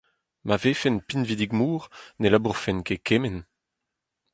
Ma vefen pinvidik-mor ne labourfen ket kement.